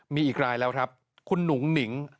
มีอีกรายแล้วครับคุณหนุ่งหนิง